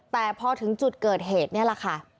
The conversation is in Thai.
แต่พอถึงจุดเกิดเหตุนี่แหละค่ะ